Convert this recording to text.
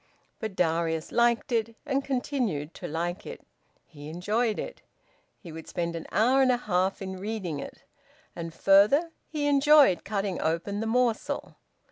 But Darius liked it, and continued to like it. He enjoyed it. He would spend an hour and a half in reading it. And further, he enjoyed cutting open the morsel.